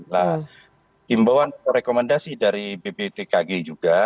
nah himbauan rekomendasi dari bpbd kg juga